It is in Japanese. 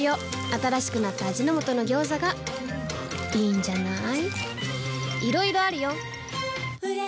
新しくなった味の素の「ギョーザ」がいいんじゃない？